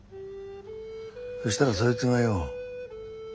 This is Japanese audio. そしたらそいつがよ